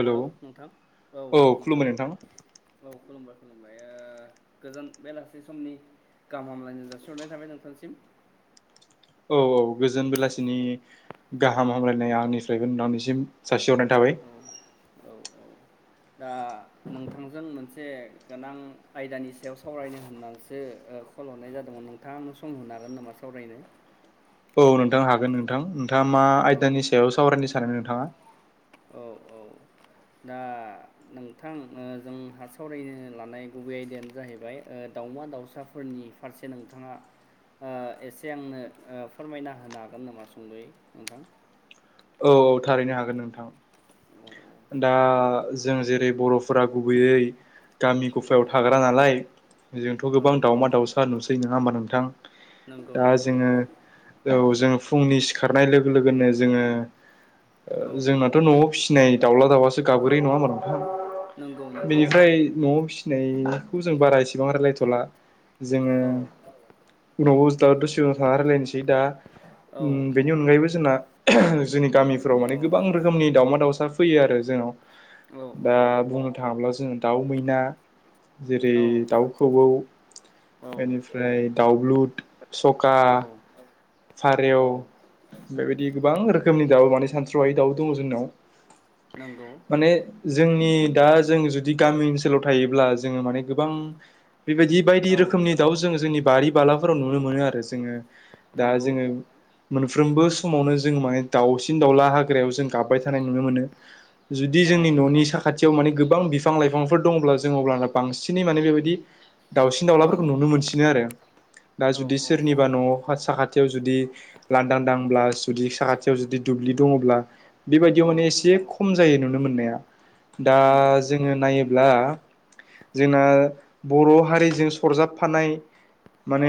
Hello नोंथां औ नोंथां औ खुलुमबाय खुलुमबाय ओ गोजान बेलासि समनि गाहाम हामलायनाय जासिहरनाय थाबाय नोंथांसिम। औ औ गोजोन बेलासिनि गाहाम हामलायनाया आंनिफ्रायबो नोथांनिसिम जासिहरनाय थाबाय। औ औ औ दा नोंथांजों मोनसे गोनां आयदानि सायाव सावरायनो होननानैसो ओ कल हरनाय जादोंमोन नोंथाङा आंनो सम होनो हागोन नामा सावरायनो? औ नोंथां हागोन नोंथां नोंथाङा मा आयदानि औ सायाव सावरायनो सानो नोंथाङा? औ औ दा नोंथां ओ जोंहा सावरायनो लानाय गुबै आयदायानो जाहैबाय ओ दाउमा दाउसाफोरनि फारसे नोंथाङा ओ एसे आंनो फोरमायना होनो हागोन नामा सुंद'यै नोंथां। औ औ थारैनो हागोन नोंथां। दा जों जेरै बर' फोरा गुबैयै गामि औ गफायाव थाग्रा नालाय जोंथ' औ गोबां दावमा दाउसा नुस सै नङा होमबा नोंथां नंगौ दा नंगौ जोङो औ जोङो फुंनि सिखारनाय लोगो लोगोनो जोङो औ जोंनाथ' न'आव फिसिनाय दाउला दाउआसो गाबग्रोयो नङा होमबा नोंथां नंगौ नंगौ बेनिफ्राय न'आव फिस सिनायखौ जों बारा इसेबां रायलायथ'ला जोङो औ उनाव दा दसे उनाव थाना रायलायनोसै दा औ बेनि अनगायैबो जोंना जोंनि गामिफोराव औ माने गोबां रोखोमनि दावमा दाावसा फैयो आरो जोंनाव। औ दा बुंनो थाङाब्ला जोङो दाउ मैना जेरै दाउखौऔ औ बेनिफ्राय दाउब्लुद सखा औ औ फारौ बेबायदि गोबां रोखोमनि दाउ माने सानस्र'है दाउ दङ' जोंनाव नंगौ माने जों नि दा जों जुदि गामि ओनसोलाव थायोब्ला जोङो माने गोबां बेबायदि बायदि औ रोखोमनि दाउ जों जोंनि बारि बालाफोराव नुनो मोनो आरो जोङो दा नंगौ जोङो मोनफ्रोमबो समावनो जों माने दावसिन दाउला हाग्रायाव जों गाबबाय थानाय नुनो मोनो जुदि औ जोंनि न'नि साखाथि खाथियाव माने गोबां बिफां लाइफांफोर दंब्ला जों अब्लाना बांसिनै माने बेबायदि दाउसिन औ दाउलाफोरखौ नुनो मोनसिनो आरो दा औ जुदि औ सोरनिबा औ न'आव खा साखाथि खाथियाव जुदि लांदांदांब्ला जुदि साखाथियाव जुदि दुब्लि दङ'ब्ला बेबायदियाव औ माने एसे खम जायो नुनो मोननाया दा नंगौ नंगौ जोङो नंगौ नायोब्ला जोंना बर' हारिजों सरजाबफानाय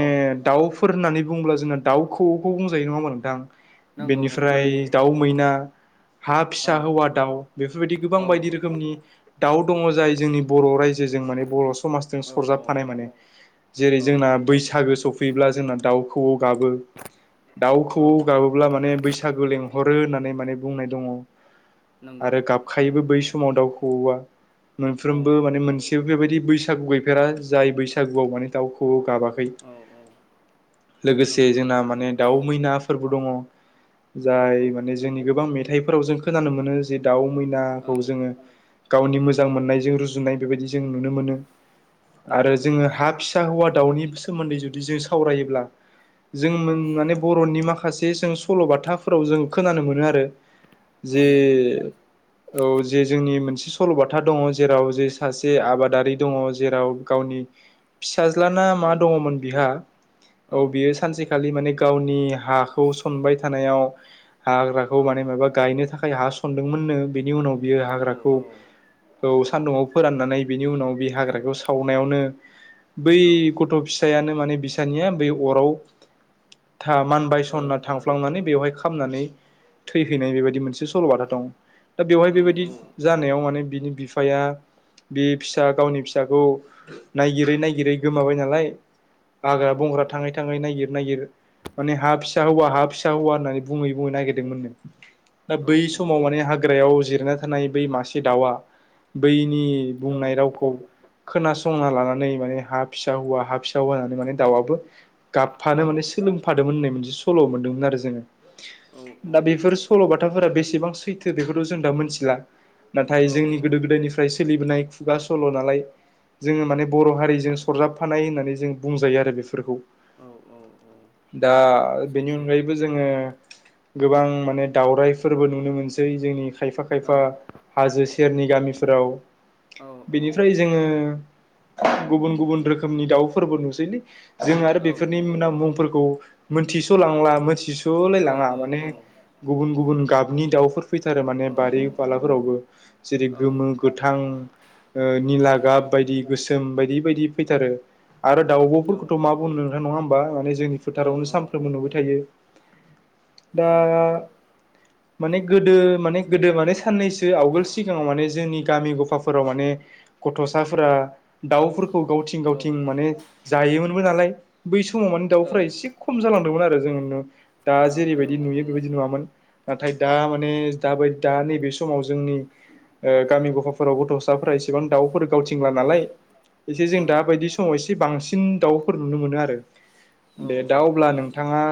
औ दाउ फोर होन्नानै बुंब्ला जोंना दाउ खौऔखौ बुंजायो नङा होनबा नोंथां? नंगौ नंगौ बेनिफ्राय नंगौ दाउ मैना हा औ फिसा हौवा दाउ बेफोरबायदि औ गोबां बायदि रोखोमनि दाउ दङ' जाय जोंनि बर' रायजो जे जजों माने बर' समाजजों औ सरजाबफानाय माने जेरै औ जोंना बैसागो सफै फैब्ला जोंना दाउखौवौ गाबो दाउ औ खौवौ गाबोब्ला माने बैसागो लें हरो होननानै माने बुंनाय दङ' नंगौ आरो औ गाबखायोबो औ बै समाव दाउ खौवौआ औ मोनफ्रोमबो माने मोनसेबो बेबायदि बैसागु गैफेरा जाय बैसागुआव माने दाउखौवौ गाबाखै औ औ लोगोसे नंगौ जोंना नंगौ माने दाउ मैनाफोरबो दङ' नंगौ जाय माने जोंनि गोबां मेथाइफोराव जों खोनानो मोनो जे दाउ औ मैनाखौ जोङो गावनि मोजां मोननायजों रुजुनाय बेबायदि जों नुनो मोनो आरो नंगौ जोङो नंगौ हा फिसा हौवा दाउनि सोमोन्दै जुदि जों सावरायोब्ला जों औ माने बर'नि माखासे जों सल'बाथा फोराव जों खोनानो मोनो आरो जे मोनो मोनो औ जे जोंनि मोनसे सल'बाथा दङ' जेराव जे सासे आबादारि दङ' जेराव गाव नि फिस साज्लाना औ मा दङ'मोन बिहा औ बियो सानसेखालि माने गावनि हाखौ सनबाय थानायाव औ हाग्राखौ माने माबा गायनो थाखाय हा सनदोंमोननो बेनि उनाव बियो औ ओ हाग्राखौ औ सान्दुङाव फोराननानै बिनि उनाव बे हाग्राखौ सावनायावनो बै औ गथ' फिसायानो माने बिसानिया बै अराव था मानबाय औ सनना थांफ्लांनानै बेवहाय खामनानै थैहैनाय बेबायदि मोनसे सल' दं दा बेवहाय औ बेबायदि जानायाव माने बिनि बिफाया बे फिसा गावनि फिसाखौ नायगिरै नायगिरै गोमाबाय नालाय औ हाग्रा बंग्रा थाङै थाङै नायगिर नायगिर माने हा फिसा हौवा हा फिसा हौवा होननानै बुङै बुङै नागिरदोंमोननो दा बै समाव माने हाग्रायाव जिरायना थानाय बै मासे दाउआ बै नि बुंनाय रावखौ खोनासंना लानानै माने हा फिसा हौवा हा फिसा हौवा होनानै माने दाउबो गाबफानो माने सोलोंफादोंमोन मोनसे सल' मोनदोंमोन आरो जोङो दा बेफोर सल'बाथाफोरा बेसेबां सैथो बेखौथ' जों दा मोनथिला औ नाथाय औ जोंनि औ गोदो गोदायनिफ्राय सोलिबोनाय खुगा सल' नालाय जोङो माने बर' हारिजों सरजाबफानाय होननानै जों बुंजायो आरो बेफोरखौ औ औ औ दा नंगौ बेनि सैथो अनगायैबो जोङो गोबां माने दावरायफोरबो नुनो मोनसै जोंनि खायफा औ खायफा हाजो सेरनि गामिफोराव औ बिनिफ्राय जोङो गुबुन गुबुन रोखोमनि दाउफोरबो नुसैलै जों आरो औ बेफोरनि मुंफोरखौ मिथिस'लांला मिथिस'लाय औ लाङा औ माने गुबुन गुबुन गाबनि दाउ फैथारो माने औ बारि बालाफोरावबो जेरै औ औ गोमो गोथां ओ निला गाब बायदि गोसोम बायदि बायदि फैथारो आरो दाउब'फोरखौथ' मा बुंनो नोंथां नङा होमबा माने जोंनि फोथारावनो औ सानफ्रोमबो नुबाय थायो दा नंगौ माने गोदो माने गोदो माने साननैसो आवगोल सिगाङाव माने जोंनि गामि गफाफोराव माने गथ'साफोरा दाउफोरखौ गावथिं गावथिं माने जायोमोनबो नालाय बै समाव माने औ दाउफोरा एसे खम जालांबाय आरो जों दा जेरैबायदि जालांदों औ नुयो बेबायदि नुवामोन नाथाय दा माने दाबाय दा नैबे समाव जोंनि गामि गफाफोराव गथ' फिसाफोरा इसेबां दाउफोर गावथिंला औ नालाय एसे जों दा बायदि समाव एसे बांसिन दाउफोर नुनो मोनो आरो औ दे औ दा अब्ला नोंथाङा नंगौ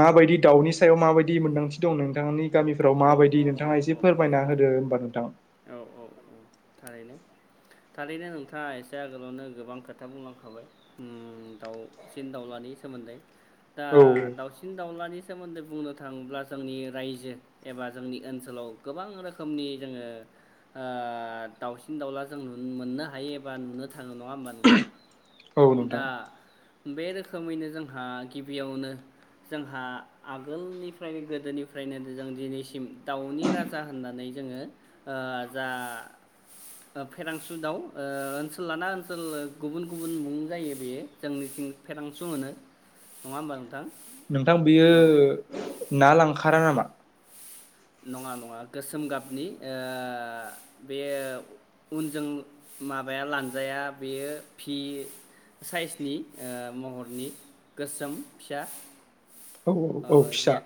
माबायदि दाउनि सायाव माबायदि मोन्दांथि दं नोंथांनि गामिफ्राव औ औ माबायदि नोंथाङा एसे फोरमायना औ होदो होमबा नोंथां औ औ औ थारैनो थारैनो नोंथाङा एसे आगोलावनो गोबां खोथा बुंलांखाबाय दाउसिन दावउलानि सोमोन्दै दा औ दाउसिन दाउलानि सोमोन्दै बुंनो थाङोब्ला जोंनि रायजो एबा जोंनि ओनसोलाव गोबां रोखोमनि जोङो ओ दाउसिन दाउला जों मोननो हायो एबा नुनो थाङो नङा होमबा नोंथां औ नोंथां दा बे रोखोमैनो जोंहा गिबियावनो जोंहा आगोलनिफ्रायनो गोदोनिफ्रायनो जों दिनैसिम दाउनि राजा होननानै जोंङो ओ जा फेरांसु दाउ ओनसोल लाना ओनसोल गुबुन गुबुन मुं जायो बेयो जोंनि फेरांसु होनो नङा होमबा नोंथां नोंथां बियो औ ना लांखाररा नामा नङा नङा गोसोम गाबनि ओ बेयो उनजों माबाया लानजाया बेयो भि साइसनि महरनि गोसोम फिसा औ ओ औ औ फिसा जे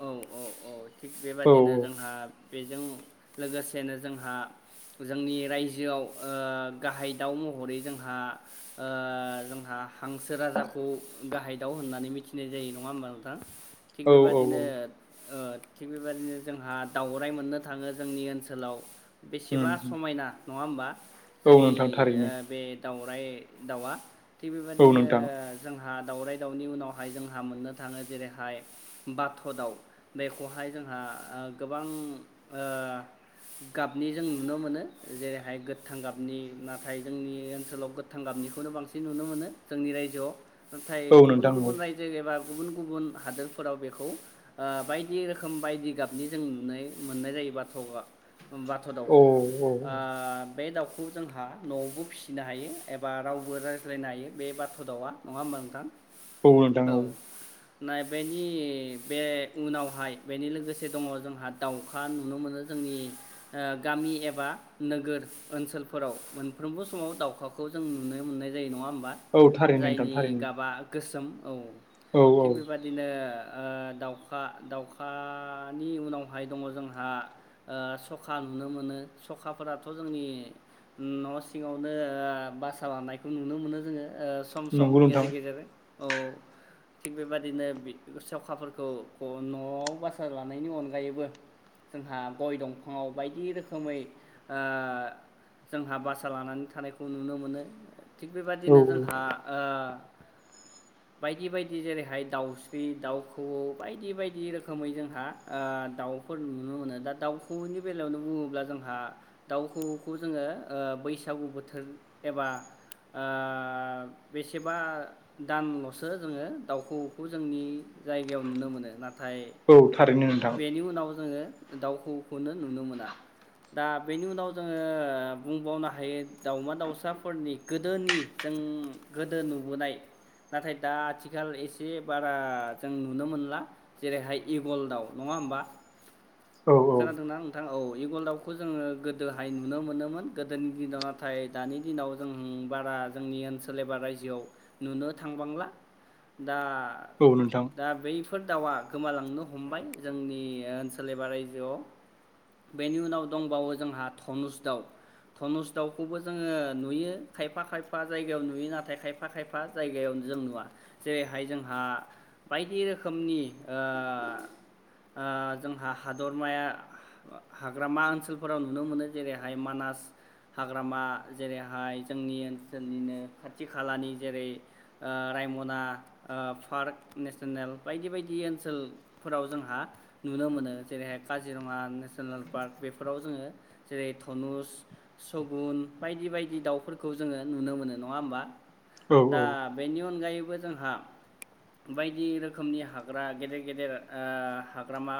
औ औ औ थिग औ बेबादिनो जोंहा बेजों लोगोसेनो जोंहा जोंनि रायजोआव गाहाय दाउ महरै जोंहा ‌ओ जोंहा हांसो राजाखौ गाहाय दाव होननानै मिथिनाय जायो नङा होमबा थिग औ बेबादिनो औ थिग बेबायदिनो जोंहा दावराय मोननो थाङो जोंनि ओनसोलाव बेसेबा उम समायना नङा होमबा औ जोंनि नोंथां थारैनो ‌ओ बे दाउराय दाउआ थिग औ बेबायदिनो नोंथां जोंहा दावराय दावनि उनावहाय जोंहा मोननो थाङो जेरैहाय बाथ' दाउ बेखौहाय जोंहा गोबां ओ गाबनि जों नुनो मोनो जेरैहाय गोथां गाबनि नाथाय जोंनि ओनसोलाव गोथां गाबनि खौनो बांसिन नुनो मोनो जोंनि रायजोआव नाथाय औ गुबुन नोंथां गुबुन रायजो एबा गुबुन गुबुन हादोरफोराव बेखौ बायदि रोखोम बायदि गाबनि जों नुनो मोननाय जायो बाथ'आ बाथ' औ दाउखौ औ औ बे दाउखौ जोंहा न'आवबो फिसिनो हायो एबा रावबो रायज्लायनो हायो बे बाथ' दाउआ नङा होमबा नोंथां औ नोंथां औ नाय बेनि बे उनावहाय बेनि लोगोसे दङ जोंहा दाउखा नुनो मोनो जों जोंनि गामि एबा नोगोर ओनसोलफोराव मोनफ्रोमबो समाव दावउखाखौ जों जों नुनो मोननाय जायो नङा होमबा औ थारैनो नोंथां जायनि थारैनो गाबा गोसोम औ औ औ थिग बेबदिनो दाउखा दाउखा दानि उनावहाय दङ जोंहा सखा नुनो मोनो सखाफोराथ' जोंनि न' सिङावनो बासा लानायखौ नुनो मोनो जोङो सम सम नंगौ नोंथां गेजेर गेजेर औ थिग बेबाददिनो सेवखाफोरखौ न'आव बास लानायनि अनगायैबो जोंहा गय दंफाङाव बायदि रोखोमै जोंहा बासा लानानै थानायखौ नुनो मोनो थिग बेबायदिनो औ जोंहा बायदि बायदि। जेरैहाय दाउस्रि दाउ खौवौ बायदि बायदि रोखोमै जोंहा दाउफोर नुनो नुनो मोनो दा दा खौवौनि बेलायावनो बुङोब्ला जोंहा दाउखौौवौखौ जोङो बैसागु बोथोर बोथोर एबा बेसेबा दानल'सो जोङो दाउखौखौ जोंनि जायगायाव नुनो मोनो नाथाय औ थारैनो नोंथां बेनि उनाव जोङो दाउखौवौखौनो नुनो मोना दा बेनि उनाव जोङो बुंबावनो हायो दाावमा दाउसाफोरनि गोदोनि जाय गोदो नुबोनाय नाथाय द आथिखाल आथिखाल एसे बारा जों नुनो मोनला जेरैहाय इगल दााव नङा होमबा [inaudible] औ औ खोनादोंना नोंथां औ इगल दाउखौ जोङो गोदोहाय नुनो मोनोमोन गोदोनि दिनाव नाथाय दानि दिन दिनाव जों बारा जोंनि ओनसोल एबा रायजोआव नुनो थांबांला दा औ नोंथां। बेफोर दाउआ गोमालांनो हमबाय जोंनि ओनसोल एबा रायजोआव बेनि उनाव दंबावो जोंहा धनुस दाउ धनुस दाउखौबो जोङो नुयो खायफा खायफा जायगायाव नुयो नाथाय खायफा खायफा जायगायावु जों नुया जेरैहाय जोंहा बायदि रोखोमनि जोंहा हादरमाया हाग्रामा ओनसोलफोराव नुनो मोनो जेरैहाय मानास हाग्रामा जेरैहाय जोंनि ओनसोलनिनो खाथि खालानि जेरै रायमना पार्क नेसनेल बायदि बायदि ओनसोलफोराव जोंहा नुनो मोनो जेर जेरैहाय काजिरङा नेसनेल पार्क बेफोराव जोङो जेरै धनुस सगुन बायदि बायदि दाउफोरखौ जोङो नुनो मोनो नङा होमबा औ दा औ बेनि अनगायैबो जोंहा बायदि रोखोमनि हाग्रा गेदेर गेदेर हाग्रामा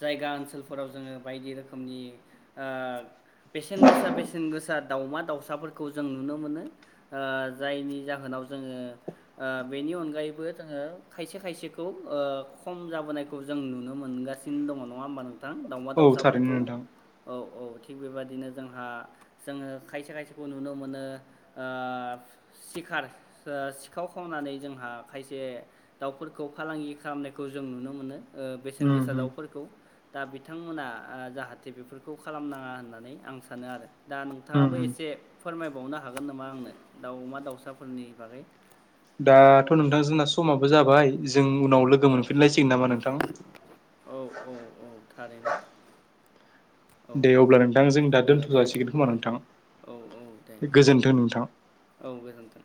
जायगा ओनसोलफोराव जोङो बायदि रोखोमनि बेसेन गोसा बेसेन गोसा दाउमा दाउसाफोरखौ जों नुनो मोनो जायनि जाहोनाव जोङो बेनि अनगायैबो जोङो खायसे खायसेखौ खम जाबोनायखौ जों नुनो मोनगासिनो सिनो दङ नङा होमबा नोंथां दाउमा औ थारैनो दाउसाफोरखौ नोंथां औ थिग बेबाददिनो जोंहा जोङो खायसे खायसेखौ नुनो मोनो। सिखार सिखाव खावनानै जोंहा खायसे दाउफोरखौ फालांगि खालामनायखौ जों नुनो मोनो। बेसेन उम गोसा उम दाउफोरखौ दा बिथांमोना जाहाथे बेफोरखौ खालामनाङा होननानै आं सानो आरो दा उम नोंथाङाबो उम एसे फोरमायबावनो हागोन नामा आंनो दाउ अमा दाउसाफोरनि बागै दाथ' नोंथां जोंना समाबो जाबाय जों उनाव लोगो औ मोनफिनलायसिगोन नामा नोंथां औ औ औ थारैनो। औ दे अब्ला नोंथांजों दा दे दोनथ' दे दे जाासिगोन औ खोमा नोंथां। औ औ दे गोजोन्थों नोंथां औ गोजोन्थों।